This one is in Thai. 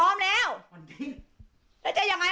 เอามาตกได้ยังไง